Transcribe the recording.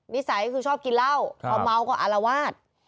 นิสัยคือชอบกินเหล้าเพราะเมาท์กว่าอารวาศ